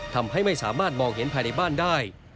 ทำให้ไม่สามารถมองเห็นภายในบ้านได้